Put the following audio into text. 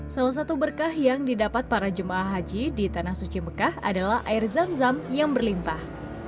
salah satu berkah yang didapat para jemaah haji di tanah suci mekah adalah air zam zam yang berlimpah